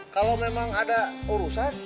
kalau memang ada urusan